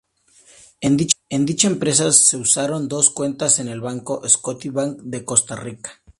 En dicha empresa se usaron dos cuentas en el banco ScotiaBank de Costa Rica.